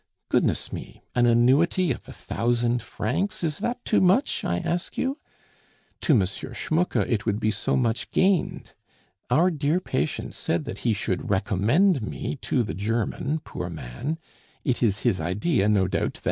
Goodness me! an annuity of a thousand francs, is that too much, I ask you?... To. M. Schmucke it would be so much gained. Our dear patient said that he should recommend me to the German, poor man; it is his idea, no doubt, that M.